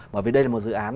bởi vì đây là một dự án